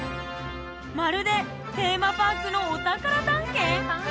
まるでテーマパークのお宝探検？